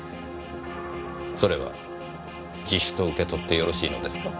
それは自首と受け取ってよろしいのですか？